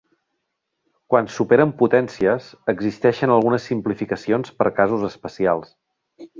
Quan s'opera amb potències, existeixen algunes simplificacions per casos especials.